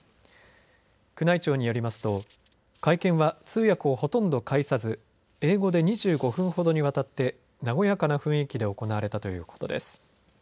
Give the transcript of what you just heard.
宮内庁によりますと会見は通訳を、ほとんど介さず英語で２５分ほどにわたって和やかな雰囲気で行われたということです。